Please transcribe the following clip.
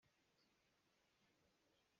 Hi thingkung kong hngalhnak a ngei.